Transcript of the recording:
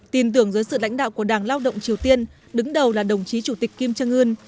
tin tưởng dưới sự lãnh đạo của đảng lao động triều tiên đứng đầu là đồng chí chủ tịch kim trương ưn